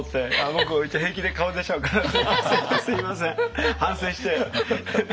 僕平気で顔出ちゃうからすみませんすみません反省して。